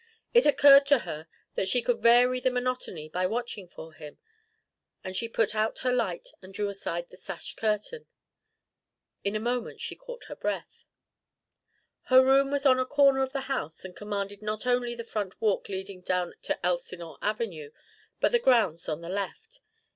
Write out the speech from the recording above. It occurred to her that she could vary the monotony by watching for him, and she put out her light and drew aside the sash curtain. In a moment she caught her breath. Her room was on a corner of the house and commanded not only the front walk leading down to Elsinore Avenue, but the grounds on the left.